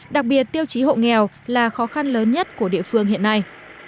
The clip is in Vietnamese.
đặc biệt tiêu chí hộ nghèo là khó khăn lớn nhất của địa phương hiện nay